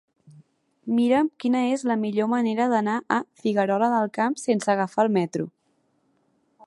Mira'm quina és la millor manera d'anar a Figuerola del Camp sense agafar el metro.